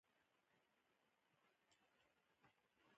ميرويس نيکه وويل: يو وار کوو.